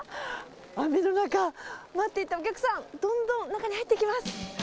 雨の中、待っていたお客さん、どんどん中に入っていきます。